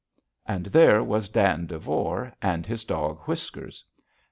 And there was Dan Devore and his dog, Whiskers.